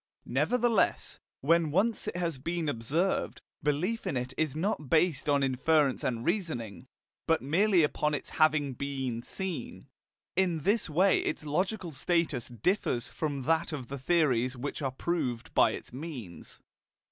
Nevertheless, when once it has been observed, belief in it is not based on inference and reasoning, but merely upon its having been seen. In this way its logical status differs from that of the theories which are proved by its means.